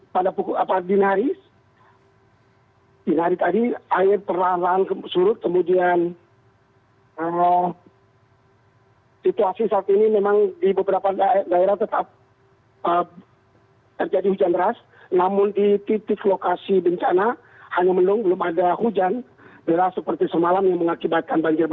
pada buku dinari dinari tadi air terlalu lalu surut